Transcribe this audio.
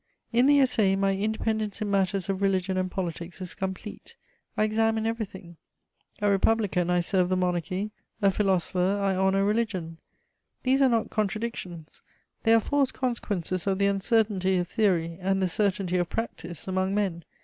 In the Essai, my independence in matters of religion and politics is complete; I examine everything: a Republican, I serve the Monarchy; a philosopher, I honour religion. These are not contradictions: they are forced consequences of the uncertainty of theory and the certainty of practice among men.